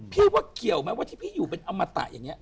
พี่ว่าเกี่ยวไหมว่าที่พี่อยู่เป็นอมตะอย่างนี้